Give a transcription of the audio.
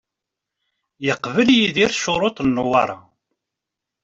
Yeqbel Yidir ccuruṭ n Newwara.